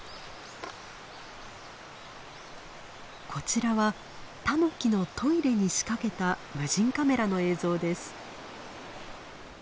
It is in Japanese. こちらはタヌキのトイレに仕掛けた無人カメラの映像です。